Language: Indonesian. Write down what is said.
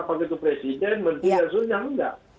presiden menteri dan sebagainya tidak